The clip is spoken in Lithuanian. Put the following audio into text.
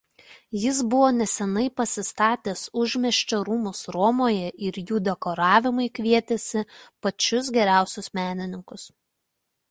Jis buvo nesenai pasistatęs užmiesčio rūmus Romoje ir jų dekoravimui kvietėsi pačius geriausius menininkus.